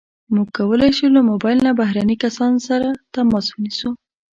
موږ کولی شو له موبایل نه بهرني کسان سره تماس ونیسو.